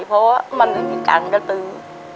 เพราะว่ามันมีการกระตือ